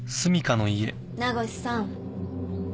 名越さん。